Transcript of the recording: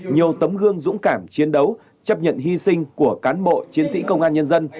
nhiều tấm gương dũng cảm chiến đấu chấp nhận hy sinh của cán bộ chiến sĩ công an nhân dân